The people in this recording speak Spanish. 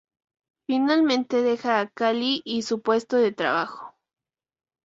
Finalmente deja a Callie y su puesto de trabajo.